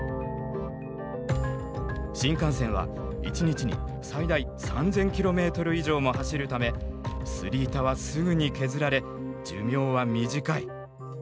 新幹線は一日に最大３，０００ｋｍ以上も走るためすり板はすぐに削られ寿命は短い。